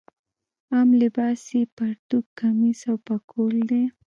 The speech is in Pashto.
عام لباس یې پرتوګ کمیس او پکول دی.